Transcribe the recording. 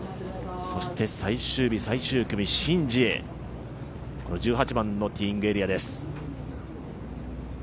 そして最終日最終組シン・ジエ１８番のティーイングエリアです。